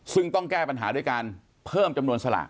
ซึ่งต้องแก้ปัญหาด้วยการเพิ่มจำนวนสลาก